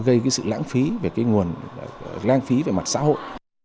gây cái sự lãng phí về cái nguồn lãng phí về mặt xã hội